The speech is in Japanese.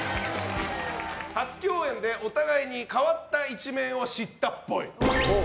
初共演でお互いに変わった一面を知ったっぽい。